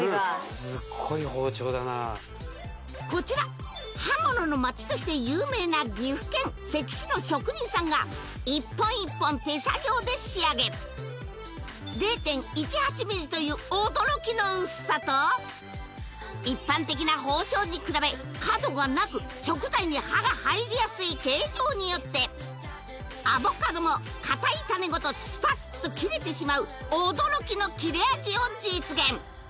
すごいわこちら刃物の街として有名な岐阜県・関市の職人さんが一本一本手作業で仕上げ０．１８ｍｍという驚きの薄さと一般的な包丁に比べ角がなく食材に刃が入りやすい形状によってアボカドもかたい種ごとスパッと切れてしまう驚きの切れ味を実現